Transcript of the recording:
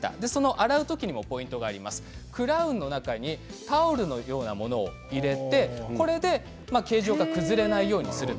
洗う時のポイントはクラウンの中にタオルのようなものを入れてこれで形状が崩れないようにする。